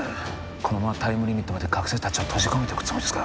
このままタイムリミットまで学生達を閉じ込めておくつもりですか？